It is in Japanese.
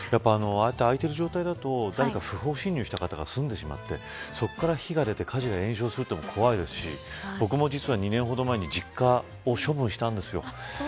空いている状態だと誰か不法侵入した方が住んでしまってそこから火が出て、火事が炎上するのも怖いですし、僕も実は２年前に実家を処分したんです。